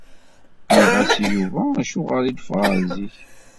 Nniɣ-as i Yuba acuɣer i d-ffɣeɣ zik.